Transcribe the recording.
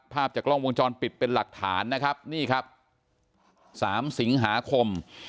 ภาพจากกล้องวงจรปิดเป็นหลักฐานนะครับนี่ครับ๓สิงหาคม